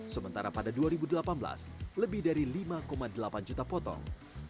sementara pada dua ribu delapan belas lebih dari lima delapan juta potong